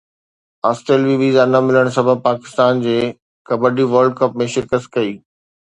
آسٽريلوي ويزا نه ملڻ سبب پاڪستان جي ڪبڊي ورلڊ ڪپ ۾ شرڪت شڪي